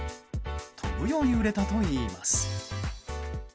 飛ぶように売れたといいます。